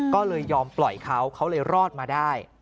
ก็เลยยอมปล่อยเขาเขาเลยรอดมาได้